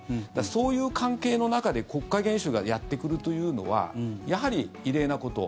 そんな関係の中で国家元首がやってくるというのはやはり異例なこと。